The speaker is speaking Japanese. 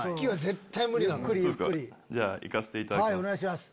じゃあ行かせていただきます。